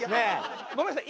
ごめんなさい。